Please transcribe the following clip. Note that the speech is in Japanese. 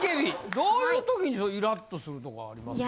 どういう時にイラッ！とするとこありますか？